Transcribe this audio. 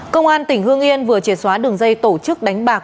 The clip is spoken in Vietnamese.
công an tỉnh hương yên vừa triệt xóa đường dây tổ chức đánh bạc